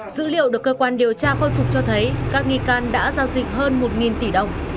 dữ liệu được cơ quan điều tra khôi phục cho thấy các nghi can đã giao dịch hơn một tỷ đồng